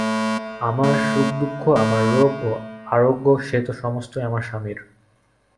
আমার সুখদুঃখ, আমার রোগ ও আরোগ্য, সে তো সমস্তই আমার স্বামীর।